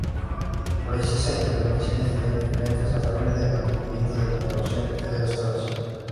Precisa intervenciones diferentes, a saber: de mantenimiento, de conservación y de restauración.